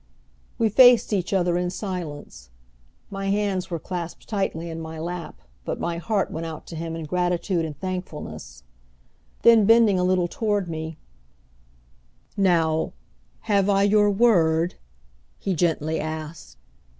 We faced each other in silence. My hands were clasped tightly in my lap but my heart went out to him in gratitude and thankfulness. Then, bending a little toward me, "Now, have I your word?" he gently asked.